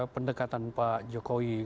pendekatan pak jokowi